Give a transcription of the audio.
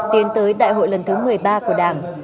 tiến tới đại hội lần thứ một mươi ba của đảng